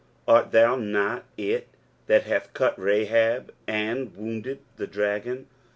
Art thou not it that hath cut Rahab, and wounded the dragon?